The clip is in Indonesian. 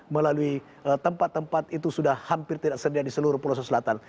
melalui tempat tempat itu sudah hampir tidak sedia di seluruh pelosok selatan